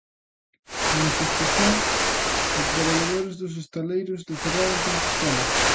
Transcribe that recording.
Manifestación de traballadores dos estaleiros de Ferrol en Compostela.